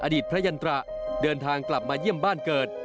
อดีตพระยันตระเดินทางกลับมาเยี่ยมบ้านเกิด